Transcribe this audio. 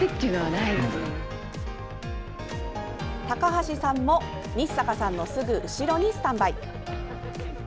高橋さんも日坂さんのすぐ後ろにスタンバイ。